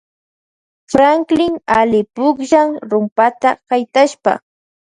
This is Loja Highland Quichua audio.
Franklin alli pukllan rumpata haytashpa.